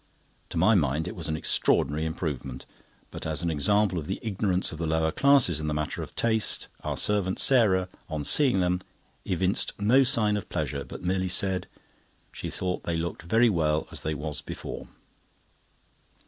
To my mind it was an extraordinary improvement, but as an example of the ignorance of the lower classes in the matter of taste, our servant, Sarah, on seeing them, evinced no sign of pleasure, but merely said "she thought they looked very well as they was before."